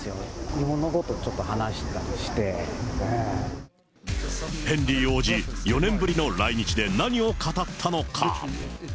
日本のことをちょっと話したりしヘンリー王子、４年ぶりの来日で何を語ったのか。